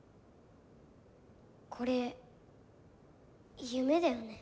これゆめだよね？